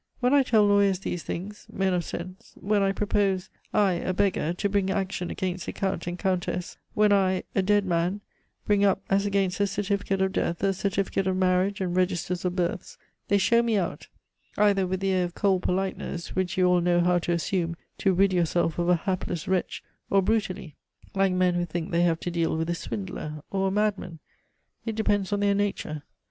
When I tell lawyers these things men of sense; when I propose I, a beggar to bring action against a Count and Countess; when I a dead man bring up as against a certificate of death a certificate of marriage and registers of births, they show me out, either with the air of cold politeness, which you all know how to assume to rid yourself of a hapless wretch, or brutally, like men who think they have to deal with a swindler or a madman it depends on their nature.